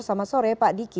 selamat sore pak diki